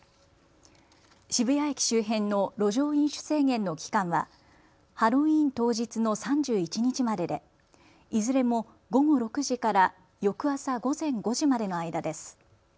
渋谷駅周辺の路上飲酒制限の期間はハロウィーン当日の３１日まででいずれも午後６時から翌朝午前５時までの間です。